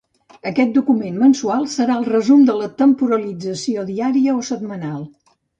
Aquest document mensual serà el resum de la temporalització diària o setmanal.